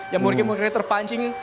yang mungkin mungkin terpancing